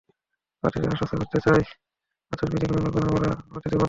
প্রার্থীদের আশ্বস্ত করতে চাই, আচরণবিধির কোনো লঙ্ঘন আমরা হতে দেব না।